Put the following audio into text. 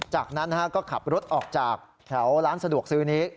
จากนั้นก็ขับรถออกจากแถวร้านสะดวกซื้อนี้